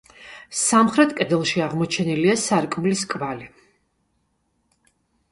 სამხრეთ კედელში აღმოჩენილია სარკმლის კვალი.